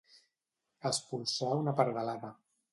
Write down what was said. Espolsar una pardalada.